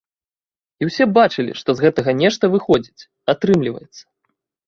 І ўсе бачылі, што з гэтага нешта выходзіць, атрымліваецца.